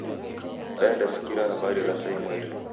Daendasikiria habari ra saa imweri.